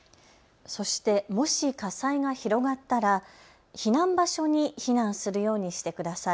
そして、もし火災が広がったら避難場所に避難するようにしてください。